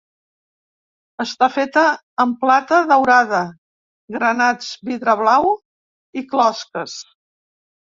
Està feta amb plata daurada, granats, vidre blau i closques.